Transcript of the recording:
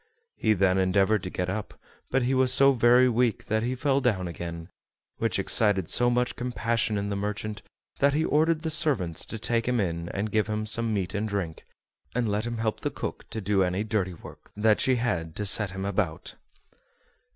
He then endeavored to get up, but he was so very weak that he fell down again, which excited so much compassion in the merchant that he ordered the servants to take him in and give him some meat and drink, and let him help the cook to do any dirty work that she had to set him about.